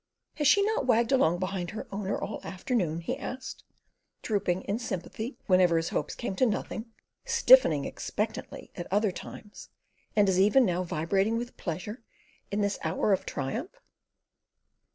"Has she not wagged along behind her owner all afternoon?" he asked, "drooping in sympathy whenever his hopes came to nothing; stiffening expectantly at other times, and is even now vibrating with pleasure in this his hour of triumph."